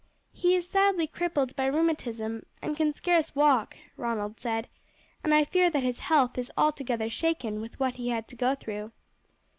"He is sadly crippled by rheumatism, and can scarce walk," Ronald said, "and I fear that his health is altogether shaken with what he had to go through."